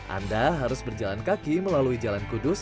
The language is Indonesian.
anda harus berjalan kaki melalui jalan kudus